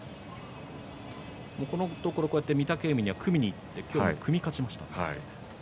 このところ御嶽海に組みにいって、組み勝ちましたね。